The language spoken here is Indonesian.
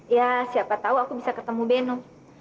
ya siapa tahu aku bisa ketemu beno